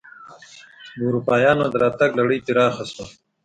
د اروپایانو دراتګ لړۍ پراخه شوه.